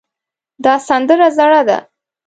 دا سندره زړه ده